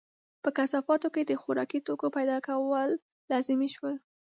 په کثافاتو کې د خوراکي توکو پیدا کول لازمي شول.